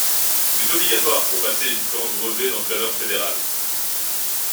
Il est obligatoire pour passer les différents brevets d’entraîneur fédéral.